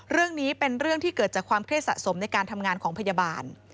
เรื่องนี้เป็นเรื่องที่เกิดจากความเครียดสะสมในการทำงานของพยาบาล